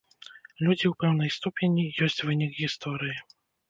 Людзі ў пэўнай ступені ёсць вынік гісторыі.